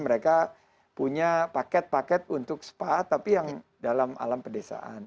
mereka punya paket paket untuk spa tapi yang dalam alam pedesaan